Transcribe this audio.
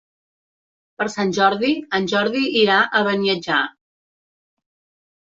Per Sant Jordi en Jordi irà a Beniatjar.